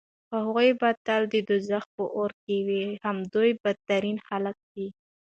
هغوی به تل د دوزخ په اور کې وي همدوی بدترين خلک دي